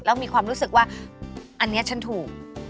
แล้วมีความรู้สึกว่าอันนี้ฉันถูก